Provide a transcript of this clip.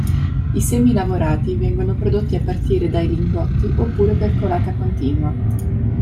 I semilavorati vengono prodotti a partire dai lingotti oppure per colata continua.